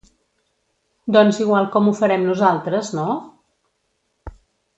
Doncs igual com ho farem nosaltres, no?